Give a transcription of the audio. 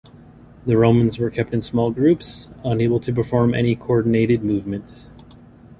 The Romans were kept in small groups, unable to perform any coordinated movement.